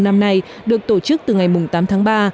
năm nay được tổ chức từ ngày tám tháng ba